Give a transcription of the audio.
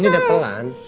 ini udah pelan